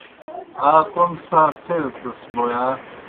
آ کوْم څھا تھیتَس بوْ یا؟